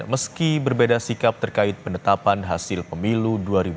meski berbeda sikap terkait penetapan hasil pemilu dua ribu dua puluh